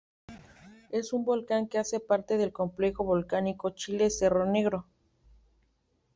Es un volcán que hace parte del complejo volcánico Chiles-Cerro Negro.